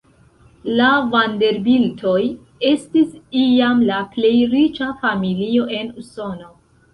La Vanderbilt-oj estis iam la plej riĉa familio en Usono.